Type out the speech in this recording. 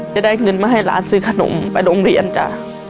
จะได้เงินมาให้หลานซื้อขนมไปโรงเรียนจ้ะ